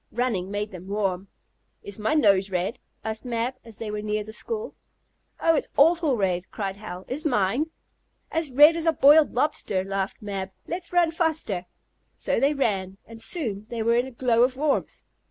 Running made them warm. "Is my nose red?" asked Mab, when they were near the school. "Oh, it's awful red!" cried Hal. "Is mine?" "As red as a boiled lobster!" laughed Mab. "Let's run faster!" So they ran, and soon they were in a glow of warmth.